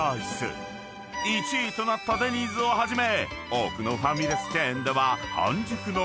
［１位となったデニーズをはじめ多くのファミレスチェーンでは］